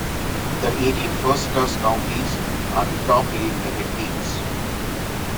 The eighteen first-class counties are the top league cricket teams.